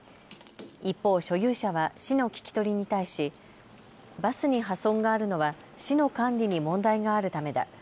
一方、所有者は市の聞き取りに対しバスに破損があるのは市の管理に問題があるためだ。